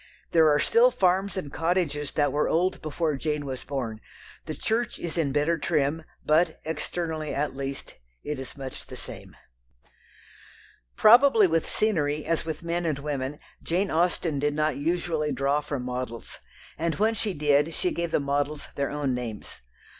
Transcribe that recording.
There are still farms and cottages that were old before Jane was born. The church is in better trim, but, externally at least, it is much the same. Probably with scenery as with men and women Jane Austen did not usually draw from models, and when she did, she gave the models their own names.